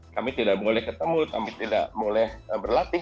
kami tidak boleh ketemu kami tidak boleh berlatih